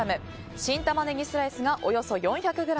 新タマネギスライスがおよそ４００ｇ